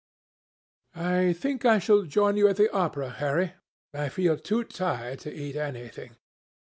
"I think I shall join you at the opera, Harry. I feel too tired to eat anything.